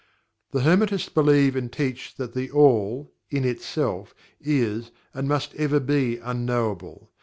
The Hermetists believe and teach that THE ALL, "in itself," is and must ever be UNKNOWABLE.